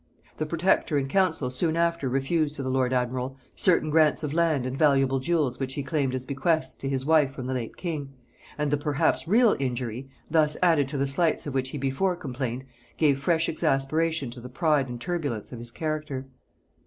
The protector and council soon after refused to the lord admiral certain grants of land and valuable jewels which he claimed as bequests to his wife from the late king, and the, perhaps, real injury, thus added to the slights of which he before complained, gave fresh exasperation to the pride and turbulence of his character.